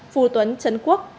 phù tuấn trấn quốc